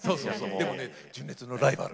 でもね純烈のライバル。